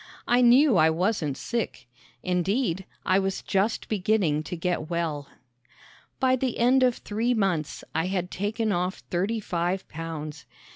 I knew I wasn't sick. Indeed, I was just beginning to get well. By the end of three months I had taken off thirty five pounds.